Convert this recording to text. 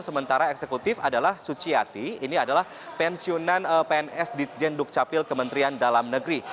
sementara eksekutif adalah suciati ini adalah pensiunan pns di jenduk capil kementerian dalam negeri